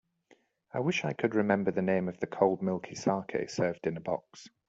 I wish I could remember the name of the cold milky saké served in a box.